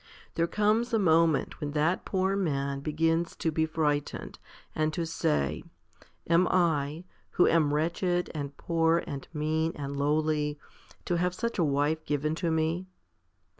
There comes a moment when that poor man begins to be frightened, and to say, "Am I, who am wretched and poor and mean and lowly, to have such a wife given to me?"